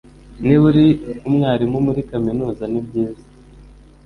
Niba uri umwarimu muri Kaminuza nibyiza